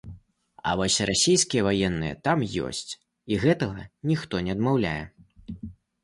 А вось расійскія ваенныя там ёсць і гэтага ніхто не адмаўляе.